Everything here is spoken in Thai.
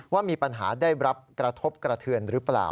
ว่ามีปัญหาได้รับกระทบกระเทือนหรือเปล่า